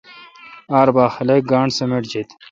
ار بھا خلق گاݨڈ سمٹ جیت۔